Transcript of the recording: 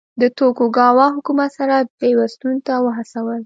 د توکوګاوا حکومت سره پیوستون ته وهڅول.